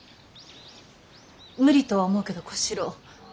無理とは思うけど小四郎。